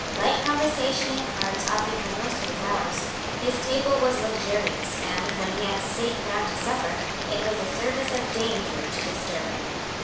Light conversation and cards occupied most of his hours. His table was luxurious; and, when he had sate down to supper, it was a service of danger to disturb him.